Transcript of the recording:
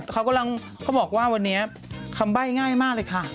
เขากำลังเขาบอกว่าวันนี้คำใบ้ง่ายมากเลยค่ะ